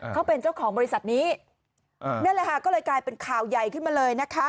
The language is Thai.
เขาเป็นเจ้าของบริษัทนี้นั่นแหละค่ะก็เลยกลายเป็นข่าวใหญ่ขึ้นมาเลยนะคะ